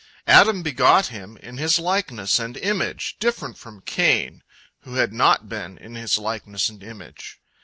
Adam begot him in his likeness and image, different from Cain, who had not been in his likeness and image.